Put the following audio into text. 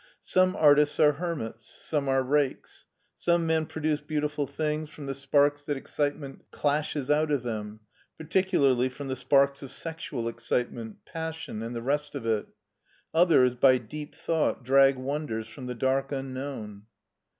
Some artists are hermits, some are rakes. Some men produce beautiful things from the sparks that excitement clashes out of them, particularly from the sparks of sexual excitement, passion, and the rest of it; others by deep thought drag wonders from the dark unknown.